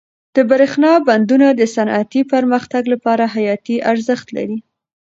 د برښنا بندونه د صنعتي پرمختګ لپاره حیاتي ارزښت لري.